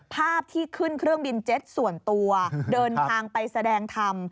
ภาพที่ขึ้นเครื่องบินเจ็ตส่วนตัวเดินทางไปแสดงธรรม